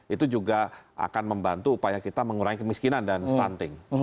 itu juga akan membantu upaya kita mengurangi kemiskinan dan stunting